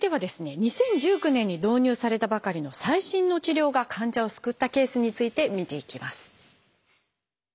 ２０１９年に導入されたばかりの最新の治療が患者を救ったケースについて見ていきます。